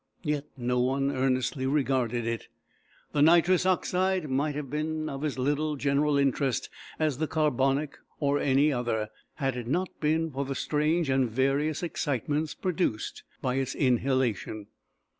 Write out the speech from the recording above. Yet no one earnestly regarded it. The nitrous oxide might have been of as little general interest as the carbonic or any other, had it not been for the strange and various excitements produced by its inhalation.